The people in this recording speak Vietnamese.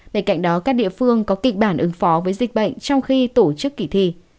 bên cạnh đó các địa phương có kịch bản ứng phó với dịch bệnh trong khi tổ chức kỳ thi